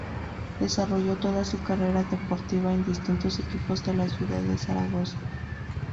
Desarrolló toda su carrera deportiva en distintos equipos de la ciudad de Zaragoza.